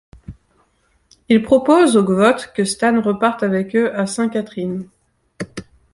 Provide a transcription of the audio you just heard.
Il propose aux Gvoth que Stan reparte avec eux à Saint Catharines.